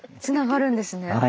つながるんですね。